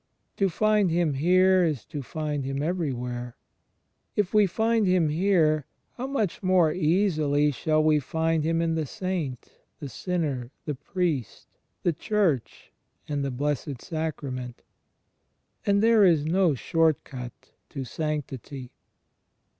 To find Him here is to find Him everywhere. If we find Him here, how much more easily shaU we find Him in the Saint, the Sinner, the Priest, the Church and the Blessed Sacrament. And there is no short cut to Sanc tity.